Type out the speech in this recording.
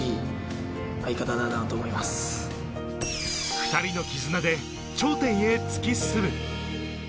２人の絆で頂点へ突き進む。